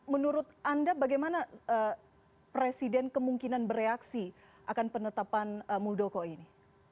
menurut anda bagaimana presiden kemungkinan bereaksi akan penetapan muldoko ini